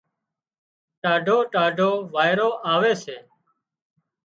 ٽاڍو ٽاڍو وارئيرو آوي سي